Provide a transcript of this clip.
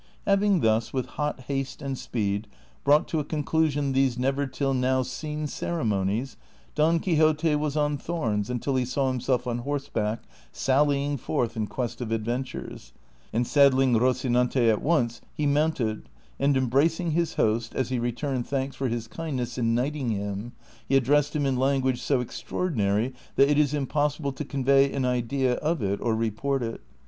Having thus, with hot haste anc^ speed, brought to a conclu sion these never till now seen ceremonies, Don Quixote was on thorns until he saw himself on horseback sallying forth in quest of adventures ; and saddling Rocinante at once he mounted, and embracing his host, as he returned thanks for his kindness in knighting him, he addressed him in language so extraordinary that it is impossible to convey an idea of it or report it.